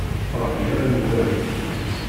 Rebbi ad am-ibarek.